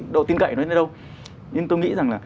độ tin cậy nó đến đâu nhưng tôi nghĩ rằng là